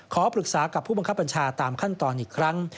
ขอปรึกษากับผู้บังคับบัญชาตามขั้นตอนอีกครั้ง